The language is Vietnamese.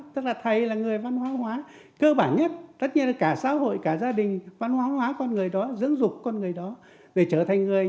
tức là thầy là người văn hóa cơ bản nhất tất nhiên là cả xã hội cả gia đình văn hóa hóa con người đó dưỡng dục con người đó để trở thành người